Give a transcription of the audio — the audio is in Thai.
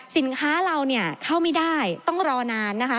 สินค้าเราเนี่ยเข้าไม่ได้ต้องรอนานนะคะ